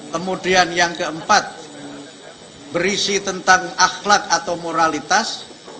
kemudian yang keempat berisi tentang akhlak atau moralitas